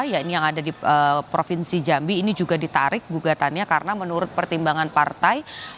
ya ini yang ada di provinsi jambi ini juga ditarik gugatannya karena menurut pertimbangan partai